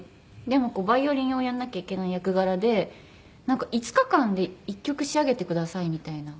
でもこうバイオリンをやんなきゃいけない役柄で５日間で１曲仕上げてくださいみたいな。